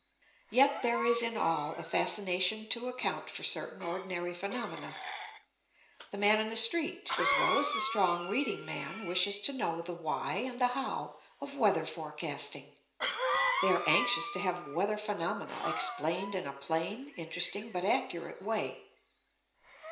Yet there is in all a fascination to account for certain ordinary phenomena. "The man in the street," as well as the strong reading man, wishes to know the "why" and the "how" of weather forecasting. They are anxious to have weather phenomena explained in a plain, interesting, but accurate way.